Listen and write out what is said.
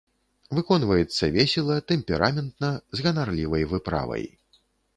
Выконваецца весела, тэмпераментна, з ганарлівай выправай.